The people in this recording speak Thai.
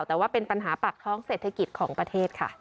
แต่ว่าเป็นปัญหาปากท้องเศรษฐกิจของประเทศค่ะ